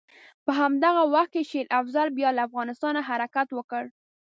په همدغه وخت کې شېر افضل بیا له افغانستانه حرکت وکړ.